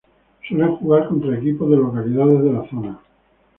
Suelen jugar contra equipos de localidades de la zona.